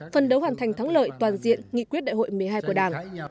phân đấu hoàn thành thắng lợi toàn diện nghị quyết đại hội một mươi hai của đảng